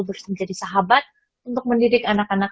bersahabat untuk mendidik anak anak